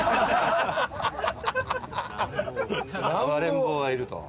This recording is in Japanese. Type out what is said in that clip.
暴れん坊がいると。